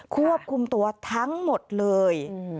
ควบคุมตัวทั้งหมดเลย